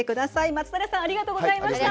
松平さんありがとうございました。